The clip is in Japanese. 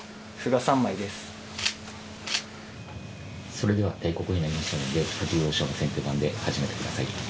それでは定刻になりましたので藤井王将の先手番で始めてください。